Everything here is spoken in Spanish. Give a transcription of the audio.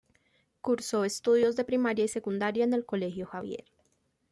Cursó estudios de primaria y secundaria en el Colegio Javier.